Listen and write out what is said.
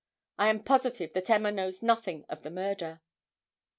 I am positive that Emma knows nothing of the murder."